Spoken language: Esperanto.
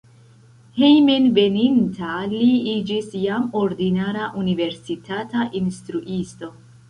Hejmenveninta li iĝis jam ordinara universitata instruisto.